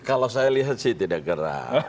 kalau saya lihat sih tidak gerah